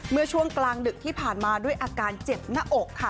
เมื่อช่วงกลางดึกที่ผ่านมาด้วยอาการเจ็บหน้าอกค่ะ